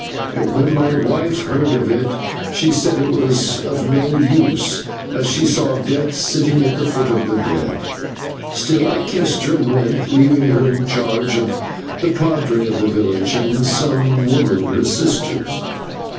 "When my wife heard of it, she said it was of no use, as she saw Death sitting at the foot of her bed. Still I kissed her and went, leaving her in charge of the /padre/ of the village and some women, her sisters.